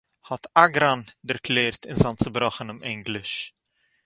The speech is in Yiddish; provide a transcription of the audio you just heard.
האט אגראן דערקלערט אין זיין צעבראכענעם ענגליש